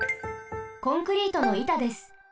コンクリートのいたです。